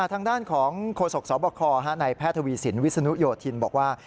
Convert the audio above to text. ทางด้านของโฆษกสบคในแพทย์ทวีสินวิศนุโยธินบอกว่า